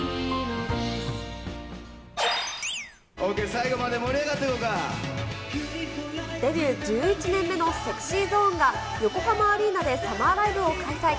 最後まで、盛り上がっていこデビュー１１年目のＳｅｘｙＺｏｎｅが、横浜アリーナでサマーライブを開催。